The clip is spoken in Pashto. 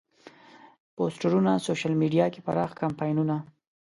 پوسترونه، سوشیل میډیا کې پراخ کمپاینونه.